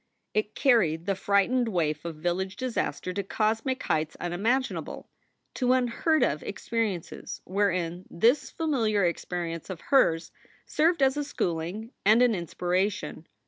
It carried the frightened waif of village disaster to cosmic heights unimaginable, to unheard of experiences wherein this familiar experience of hers served as a schooling and an inspiration.